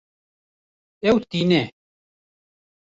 Ew tîne.